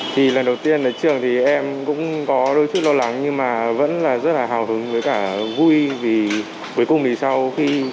thì lần đầu tiên đến trường thì em cũng có đôi chút lo lắng nhưng mà vẫn là rất là hào hứng với cả vui vì cuối cùng thì sau khi